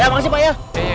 ya makasih pak ya